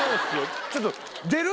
ちょっと出る？